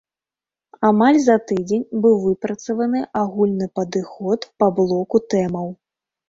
Амаль за тыдзень быў выпрацаваны агульны падыход па блоку тэмаў.